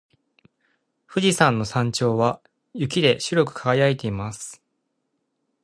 富士山の頂上は雪で白く輝いています。